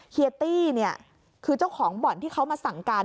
เฮี้เนี่ยคือเจ้าของบ่อนที่เขามาสั่งการ